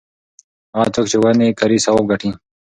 هغه څوک چې ونې کري ثواب ګټي.